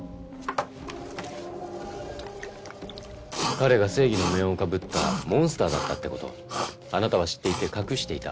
彼が正義の面をかぶったモンスターだったって事あなたは知っていて隠していた。